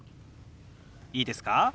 いいですか？